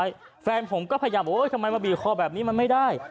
บีบคอผมไว้แฟนผมก็พยายามโอ๊ยทำไมมาบีบคอแบบนี้มันไม่ได้